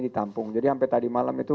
ditampung jadi sampai tadi malam itu